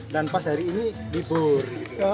dan pas hari ini libur